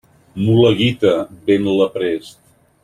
Mula guita, ven-la prest.